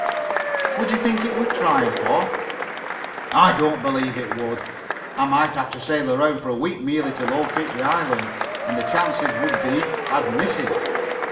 "Would you think it worth trying for?" "I don't believe I would. I might have to sail around for a week merely to locate the island, and the chances would be I'd miss it.